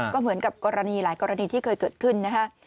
ก็เหมือนกับกรณีหลายกรณีที่เคยเกิดขึ้นนะฮะ